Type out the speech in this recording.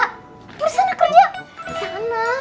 pergi sana kerja